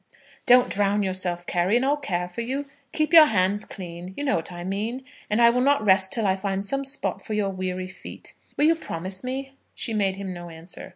"Don't drown yourself, Carry, and I'll care for you. Keep your hands clean. You know what I mean, and I will not rest till I find some spot for your weary feet. Will you promise me?" She made him no answer.